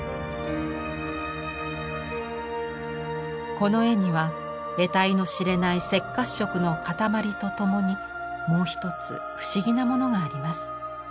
この絵には得体の知れない赤褐色の塊とともにもう一つ不思議なものがあります。